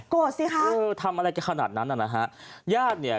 สิคะเออทำอะไรกันขนาดนั้นน่ะนะฮะญาติเนี่ย